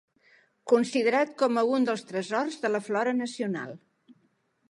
Considerat com a un dels tresors de la flora nacional.